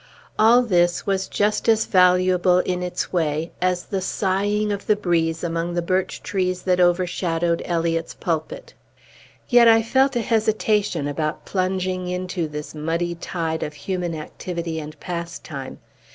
All this was just as valuable, in its way, as the sighing of the breeze among the birch trees that overshadowed Eliot's pulpit. Yet I felt a hesitation about plunging into this muddy tide of human activity and pastime.